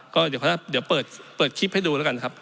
ก็เดี๋ยวพระเจ้าเปิดคลิปให้ดูแล้วกันนะครับ